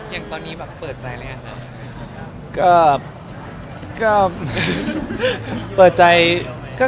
อย่างตอนนี้แบบเปิดใจหรือยังครับ